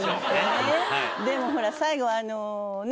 でもほら最後あのねっ。